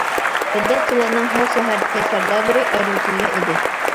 بىدئەتچىلەرنىڭ ھەر شەھەردىكى سەردارلىرى ئايرىۋېتىلگەن ئىدى.